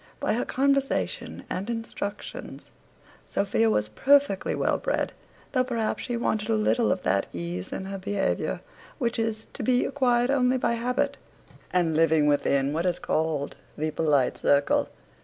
By her conversation and instructions, Sophia was perfectly well bred, though perhaps she wanted a little of that ease in her behaviour which is to be acquired only by habit, and living within what is called the polite circle.